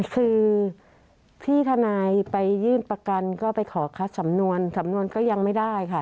คือที่ทนายไปยื่นประกันก็ไปขอคัดสำนวนสำนวนก็ยังไม่ได้ค่ะ